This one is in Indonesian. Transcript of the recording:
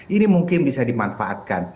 ini mungkin bisa dimanfaatkan